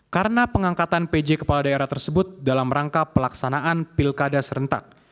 karena pengangkatan pj kepala daerah tersebut dalam rangka pelaksanaan pilkada serentak